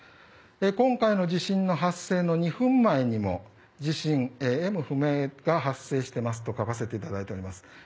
今回の地震の発生の２分前にも地震、Ｍ不明が発生しておりますと書かせていただいています。